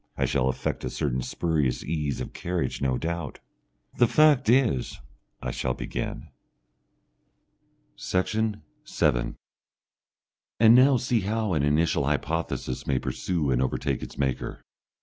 I shall affect a certain spurious ease of carriage no doubt. "The fact is, I shall begin...." Section 7 And now see how an initial hypothesis may pursue and overtake its maker.